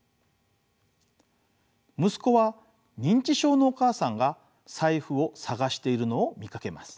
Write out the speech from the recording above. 息子は認知症のお母さんが財布を探しているのを見かけます。